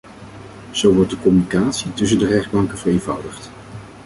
Zo wordt de communicatie tussen de rechtbanken vereenvoudigd.